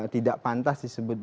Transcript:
tidak pantas disebut